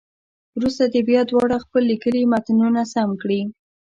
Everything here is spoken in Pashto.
وروسته دې بیا دواړه خپل لیکلي متنونه سم کړي.